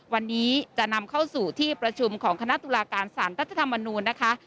วันนี้จะนำเข้าสู่ที่ประชุมของคณะตุลาการสารรัฐธรรมนูญนะคะ